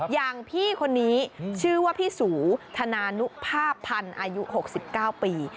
อย่างพี่คนนี้ชื่อว่าพี่สูธนานุภาพพันธ์อายุ๖๙ปี